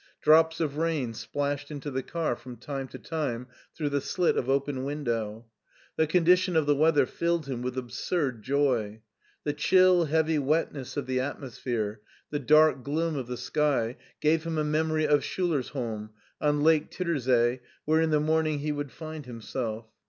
Drops of rain splashed into the car from time to time, through the slit of open window. The condition of the wea ther filled him with absurd joy. The chill, heavy wet ness of the atmosphere, the dark gloom of the sky, gave him a memory of Schulersholm, on lake Titter see, where in the morning he would find himself.